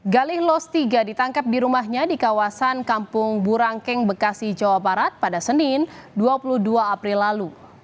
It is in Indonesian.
galih los tiga ditangkap di rumahnya di kawasan kampung burangkeng bekasi jawa barat pada senin dua puluh dua april lalu